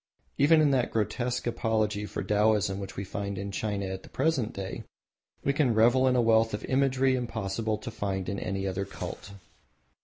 Even in that grotesque apology for Taoism which we find in China at the present day, we can revel in a wealth of imagery impossible to find in any other cult.